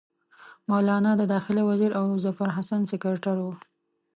مولنا د داخله وزیر او ظفرحسن سکرټر وو.